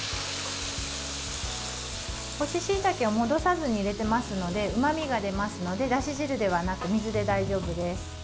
干ししいたけを戻さずに入れていますのでうまみが出ますのでだし汁ではなく水で大丈夫です。